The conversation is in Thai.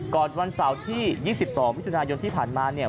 วันเสาร์ที่๒๒มิถุนายนที่ผ่านมาเนี่ย